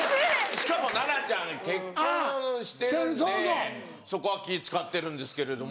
しかも奈々ちゃん結婚してるんでそこは気ぃ使ってるんですけれども。